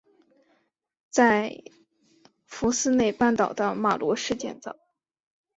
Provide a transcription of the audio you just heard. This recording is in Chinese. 在弗内斯半岛的巴罗市建造。